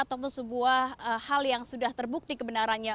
ataupun sebuah hal yang sudah terbukti kebenarannya